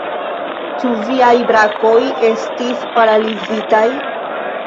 Ĉu viaj brakoj estis paralizitaj?